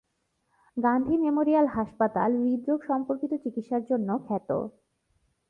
Gandhi memorial হাসপাতাল হৃদরোগ সম্পর্কিত চিকিৎসার জন্য খ্যাত।